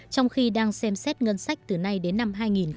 trong khi đang xem xét ngân sách từ nay đến năm hai nghìn hai mươi